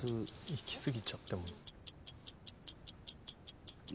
いき過ぎちゃっても。